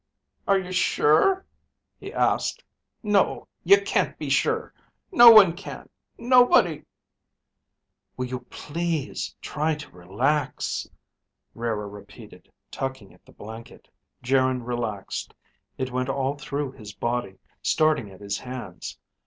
"Are you sure?" he asked. "No. You can't be sure. No one can. Nobody...." "Will you please try to relax," Rara repeated, tucking at the blanket. Geryn relaxed. It went all through his body, starting at his hands.